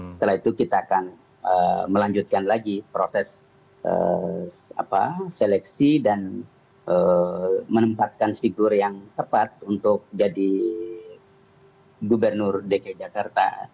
setelah itu kita akan melanjutkan lagi proses seleksi dan menempatkan figur yang tepat untuk jadi gubernur dki jakarta